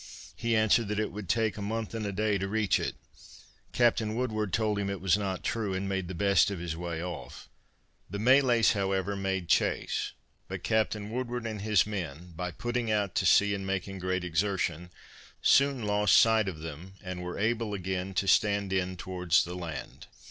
He answered that it would take a month and a day to reach it. Captain Woodward told him it was not true and made the best of his way off. The Malays however made chase, but Captain Woodward and his men by putting out to sea and making great exertion, soon lost sight of them and were able again to stand in towards the land.